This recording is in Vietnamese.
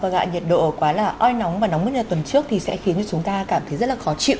và gạ nhiệt độ quá là oi nóng và nóng như tuần trước thì sẽ khiến cho chúng ta cảm thấy rất là khó chịu